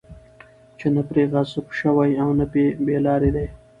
چې نه پرې غضب شوی، او نه بې لاري دي